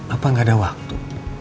apa gak ada waktu